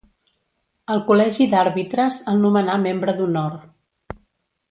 El col·legi d'àrbitres el nomenà membre d'honor.